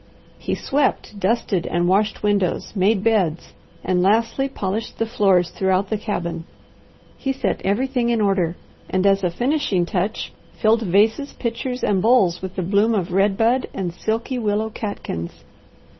He swept, dusted, and washed windows, made beds, and lastly polished the floors throughout the cabin. He set everything in order, and as a finishing touch, filled vases, pitchers, and bowls with the bloom of red bud and silky willow catkins.